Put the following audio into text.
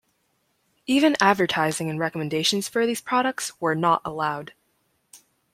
Even advertising and recommendations for these products were not allowed.